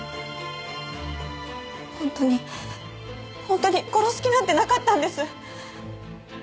本当に本当に殺す気なんてなかったんです。